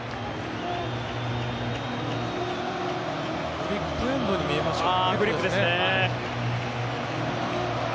グリップエンドに見えましたけどね。